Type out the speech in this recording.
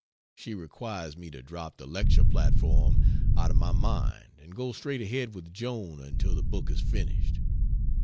She requires me to drop the lecture platform out of my mind and go straight ahead with Joan until the book is finished.